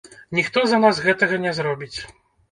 Ніхто за нас гэтага не зробіць.